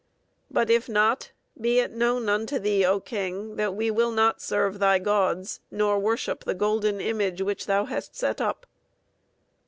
But if not, be it known unto thee, O king, that we will not serve thy gods, nor worship the golden image which thou hast set up.